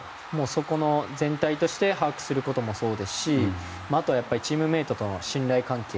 そこの全体として把握することもそうですしあとは、チームメートとの信頼関係。